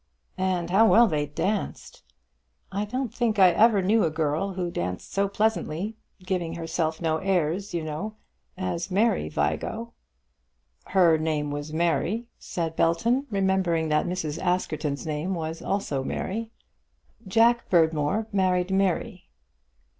"And how well they danced! I don't think I ever knew a girl who danced so pleasantly, giving herself no airs, you know, as Mary Vigo." "Her name was Mary," said Belton, remembering that Mrs. Askerton's name was also Mary. "Jack Berdmore married Mary."